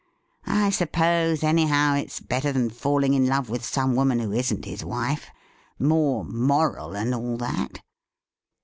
I suppose, anyhow, it's better ■than falling in love with some woman who isn't his wife — more moral and all that.